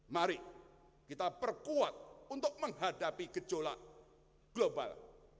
mari kita perkuat untuk menghadapi gejolak global